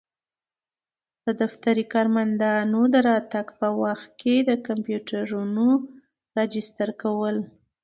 د دفتري کارمندانو د راتګ په وخت کي د کمپیوټرونو راجستر کول.